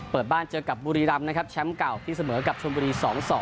เปิดบ้านเจอกับบุรีรำนะครับแชมป์เก่าที่เสมอกับชนบุรี๒๒